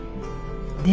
で